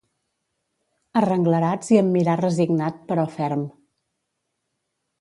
Arrenglerats i amb mirar resignat però ferm